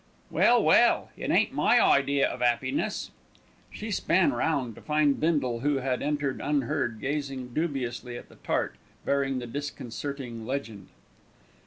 "Well, well, it ain't my idea of 'appiness." She span round to find Bindle, who had entered unheard, gazing dubiously at the tart bearing the disconcerting legend.